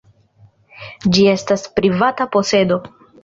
Ĝi estas privata posedo.